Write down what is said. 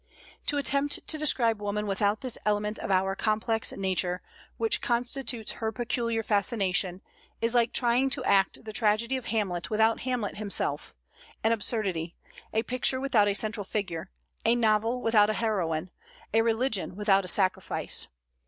To attempt to describe woman without this element of our complex nature, which constitutes her peculiar fascination, is like trying to act the tragedy of Hamlet without Hamlet himself, an absurdity; a picture without a central figure, a novel without a heroine, a religion without a sacrifice.